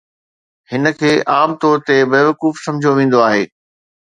هن کي عام طور تي بيوقوف سمجهيو ويندو آهي.